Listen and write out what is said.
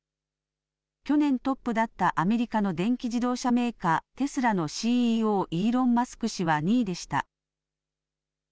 去年トップだったアメリカの電気自動車メーカー、テスラのＣＥＯ、イーロン・マスク氏は２位でした。